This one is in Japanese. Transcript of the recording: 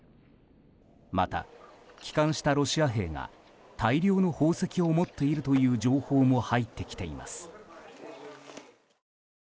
また、帰還したロシア兵が大量の宝石を持っているという情報も入ってきています。